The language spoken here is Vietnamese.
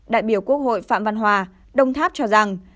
đại biểu quốc hội phạm văn hòa đồng tháp cho rằng